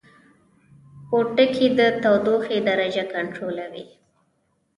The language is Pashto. پوټکی د تودوخې درجه کنټرولوي